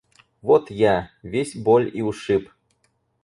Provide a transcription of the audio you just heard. Вот – я, весь боль и ушиб.